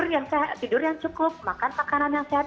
tidur yang cukup makan makanan yang sehat